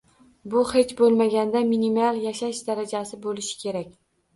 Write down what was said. Bu hech bo'lmaganda minimal yashash darajasi bo'lishi kerak